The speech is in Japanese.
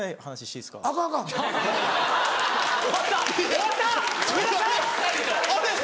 終わった！